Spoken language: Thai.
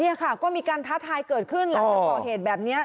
นี่ค่ะก็มีการท้าทายเกิดขึ้นหลังจากก่อเหตุแบบนี้